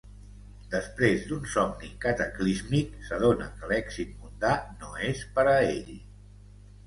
Després d'un somni cataclísmic, s'adona que l'èxit mundà no és per a ell.